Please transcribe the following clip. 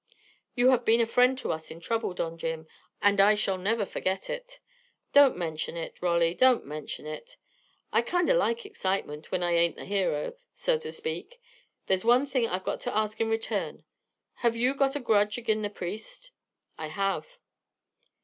"You have been a friend to us in trouble, Don Jim, and I shall never forget it." "Don't mention it, Rolly, don't mention it. I kinder like excitement, when I ain't the hero, so ter speak. There's only one thing I've got to ask in return: Have you got a grudge agin the priest?" "I have."